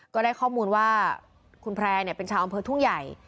ก็ได้ข้อมูลว่าคุณแพร่เป็นชาวอำเภอทุ่งใหญ่